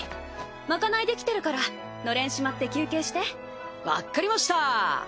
賄い出来てるから暖簾しまって休憩して分っかりました